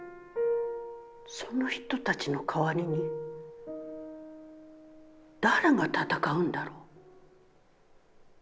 その人たちの代りに誰が戦うんだろう？